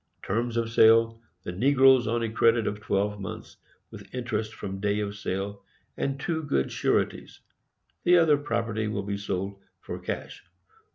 Terms of Sale: The negroes on a credit of 12 months, with interest from day of sale, and two good sureties. The other property will be sold for cash.